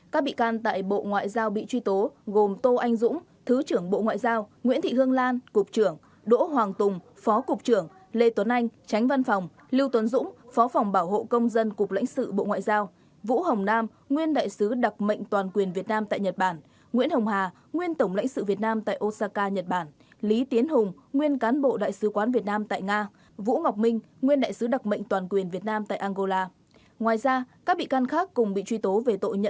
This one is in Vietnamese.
các bị can tại bộ ngoại giao bị truy tố gồm tô anh dũng thứ trưởng bộ ngoại giao nguyễn thị hương lan cục trưởng đỗ hoàng tùng phó cục trưởng lê tuấn anh tránh văn phòng lưu tuấn dũng phó phòng bảo hộ công dân cục lãnh sự bộ ngoại giao vũ hồng nam nguyên đại sứ đặc mệnh toàn quyền việt nam tại nhật bản nguyễn hồng hà nguyên tổng lãnh sự việt nam tại osaka nhật bản lý tiến hùng nguyên cán bộ đại sứ quán việt nam tại nga vũ ngọc minh nguyên đại sứ đặc mệnh